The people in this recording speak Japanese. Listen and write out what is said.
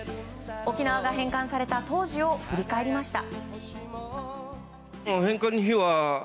沖縄が返還された当時を振り返りました。